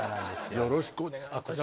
よろしくお願いします